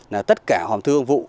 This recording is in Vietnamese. là tất cả hòm thư công vụ